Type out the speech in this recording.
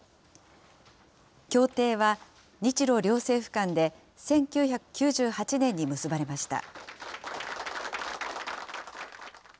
協定は、日ロ両政府間で１９９８年に結ばれました。